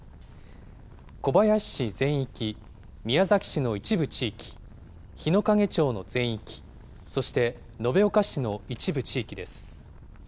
小林市全域、宮崎市の一部地域、日之影町の全域、そして延岡市の一部地域です。